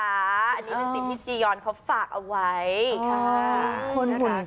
อันนี้เป็นสิ่งที่จียอนเขาฝากเอาไว้ค่ะ